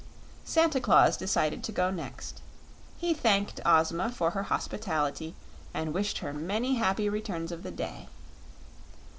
Santa Claus decided to go next. He thanked Ozma for her hospitality and wished her many happy returns of the day.